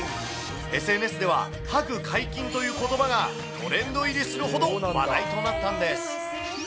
ＳＮＳでは、ハグ解禁ということばがトレンド入りするほど話題となったんです。